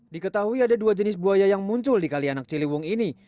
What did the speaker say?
diketahui ada dua jenis buaya yang muncul di kalianak ciliwung ini